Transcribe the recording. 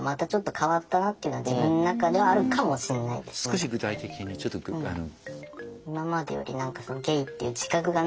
少し具体的にちょっとあの。